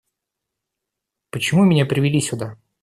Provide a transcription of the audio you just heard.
Почему меня привели сюда?